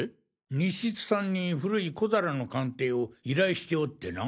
西津さんに古い小皿の鑑定を依頼しておってな